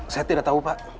saya tidak tahu pak